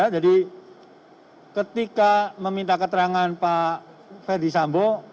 jadi ketika meminta keterangan pak ferdis sambo